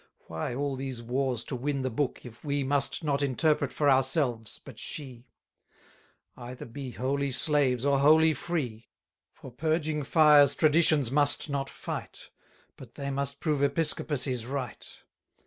Why all these wars to win the Book, if we Must not interpret for ourselves, but she? Either be wholly slaves, or wholly free. For purging fires Traditions must not fight; But they must prove Episcopacy's right.